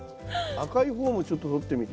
赤い方もちょっととってみて。